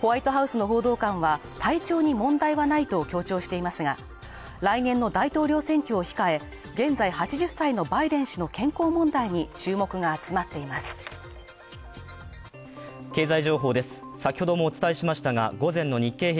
ホワイトハウスの報道官は、体調に問題はないと強調していますが、来年の大統領選挙を控え、現在８０歳のバイデン氏の健康問題に注目が集まっていますいってらっしゃい！